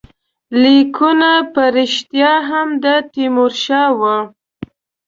لیکونه په ریشتیا هم د تیمورشاه وي.